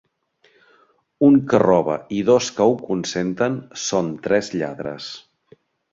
Un que roba i dos que ho consenten són tres lladres